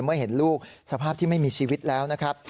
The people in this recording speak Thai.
เมื่อเห็นลูกสภาพที่ไม่มีชีวิตแล้วนะครับ